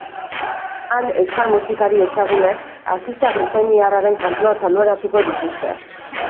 Han, euskal musikari ezagunek artista britainiarraren kantuak taularatuko dituzte.